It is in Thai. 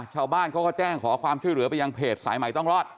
ชาวบ้านเขาก็แจ้งขอความช่วยเหลือไปยังเพจสายใหม่ต้องรอด